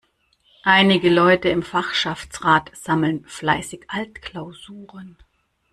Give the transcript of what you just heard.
Einige Leute im Fachschaftsrat sammeln fleißig Altklausuren.